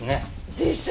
でしょ？